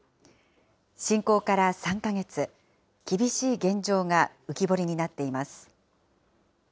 侵攻から３か月、厳しい現状が浮き彫りになっています。